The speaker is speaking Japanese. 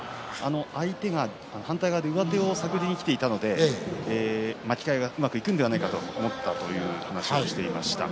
相手が反対側で上手を探りにきていたので巻き替えがうまくいくのではないかと思ったという話をしていました。